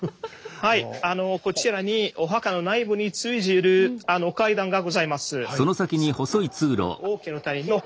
はいあのこちらにお墓の内部に通じる階段がございます。